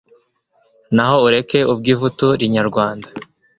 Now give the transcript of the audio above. Naho ureke ubwivutu rinyarwanda